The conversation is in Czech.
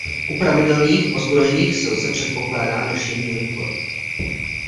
U pravidelných ozbrojených sil se předpokládá nošení uniformy.